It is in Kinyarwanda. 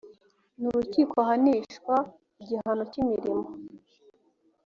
n urukiko ahanishwa igihano cy imirimo